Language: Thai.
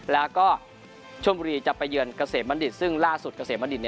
แล้วก็ชมบุรีจะไปเยือนเกษมบัณฑิตซึ่งล่าสุดเกษมบัณฑิต